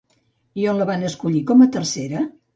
I on la van escollir com a tercera?